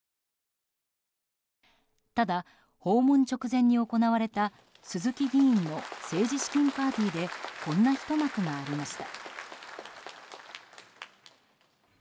ただ、訪問直前に行われた鈴木議員の政治資金パーティーでこんなひと幕がありました。